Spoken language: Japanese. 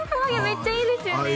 めっちゃいいですよね